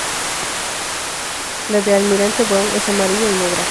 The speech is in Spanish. La de Almirante Brown es amarilla y negra.